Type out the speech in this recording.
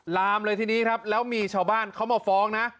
ลามเลยทีนี้ครับแล้วมีชาวบ้านเขามาฟ้องนะ